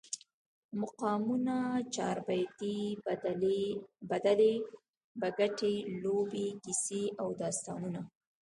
مقامونه، چاربیتې، بدلې، بګتی، لوبې، کیسې او داستانونه